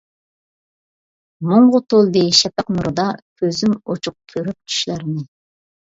مۇڭغا تولدى شەپەق نۇرىدا، كۆزۈم ئۇچۇق كۆرۈپ چۈشلەرنى.